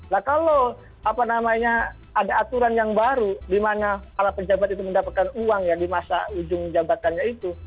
nah kalau ada aturan yang baru di mana para pejabat itu mendapatkan uang di masa ujung jabatannya itu